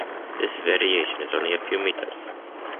This variation is only a few meters.